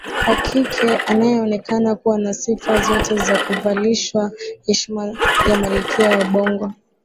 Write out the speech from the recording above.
wa kike anayeonekana kuwa na sifa zote za kuvalishwa heshima ya Malkia wa Bongo